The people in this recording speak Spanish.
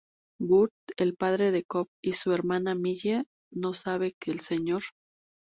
Burt, el padre de Coop y su hermana Millie, no sabe que Sr.